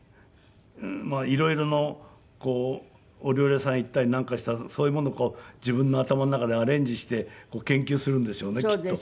色々のお料理屋さん行ったりなんかしたらそういうものをこう自分の頭の中でアレンジして研究するんでしょうねきっと。